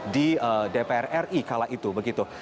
di dpr ri kala itu begitu